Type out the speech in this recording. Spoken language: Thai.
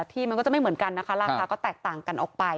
ที่มันก็จะไม่เหมือนกันนะคะราคาก็แตกต่างกันออกไป